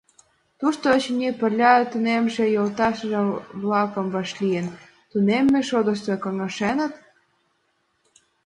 Тушто, очыни, пырля тунемше йолташыж-влакым вашлийын, тунемме шотышто каҥашеныт?